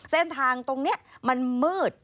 เส้นทางตรงนี้มันมืด